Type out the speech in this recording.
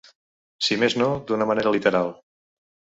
Si més no, d’una manera literal.